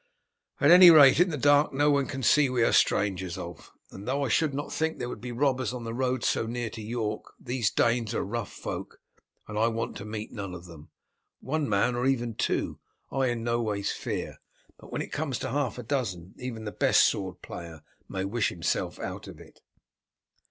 "At any rate, in the dark no one can see we are strangers, Ulf, and though I should not think there would be robbers on the road so near to York, these Danes are rough folk, and I want to meet none of them. One man, or even two, I in no ways fear, but when it comes to half a dozen even the best sword player may wish himself out of it."